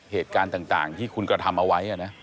เหตุการณ์ต่างที่คุณกระทำเอาไว้นะ